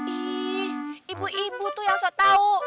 ih ibu ibu tuh yang saya tahu